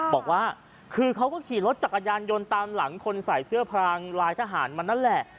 บอกว่าคือเขาก็ขี่รถจักรยานยนต์ตามหลังคนใส่เสื้อพรางลายทหารมานั่นแหละ